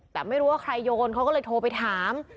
แต่ไม่รู้ว่าใครโยนเขาก็เลยโทรไปถาม